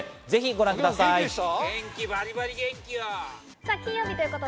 ぜひご覧ください。